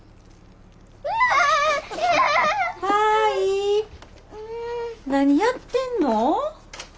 舞何やってんの？